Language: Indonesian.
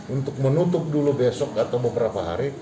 untuk menutup dulu besok atau beberapa hari